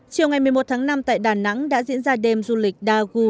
chiều ngày một mươi một tháng năm tại đà nẵng đã diễn ra đêm du lịch dagu